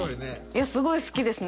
いやすごい好きですね